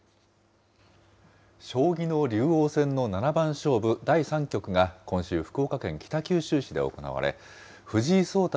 将棋の竜王戦の七番勝負第３局が、今週、福岡県北九州市で行われ、藤井聡太